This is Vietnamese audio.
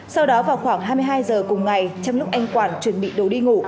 sau đó vào khoảng hai mươi hai giờ cùng ngày trong lúc anh quản chuẩn bị đồ đi ngủ